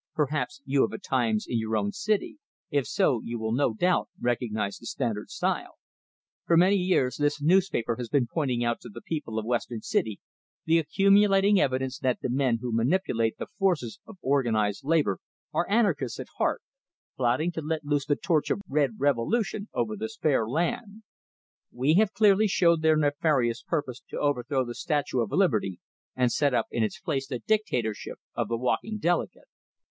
Perhaps you have a "Times" in your own city; if so, you will no doubt recognize the standard style: "For many years this newspaper has been pointing out to the people of Western City the accumulating evidence that the men who manipulate the forces of organized labor are Anarchists at heart, plotting to let loose the torch of red revolution over this fair land. We have clearly showed their nefarious purpose to overthrow the Statue of Liberty and set up in its place the Dictatorship of the Walking Delegate.